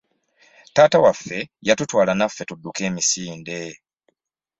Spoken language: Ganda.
Taata waffe yatutwala naffe tudduke emisinde.